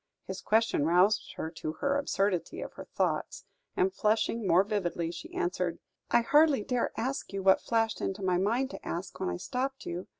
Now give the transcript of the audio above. His question roused her to the absurdity of her thoughts, and, flushing more vividly, she answered: "I hardly dare ask you what flashed into my mind to ask, when I stopped you.